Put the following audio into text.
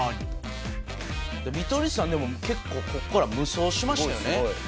見取り図さんでも結構ここから無双しましたよね。